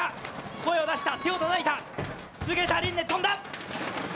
声を出した、手をたたいた、菅田琳寧、跳んだ。